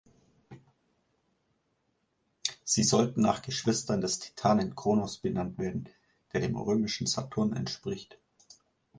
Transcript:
Sie sollten nach Geschwistern des Titanen Kronos benannt werden, der dem römischen Saturn entspricht.